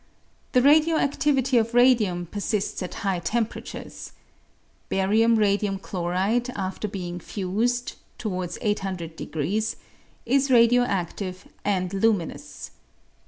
The radio adivity of radium persists at high temperatures. Barium radium chloride after being fused (towards 800°) is radio adive and luminous.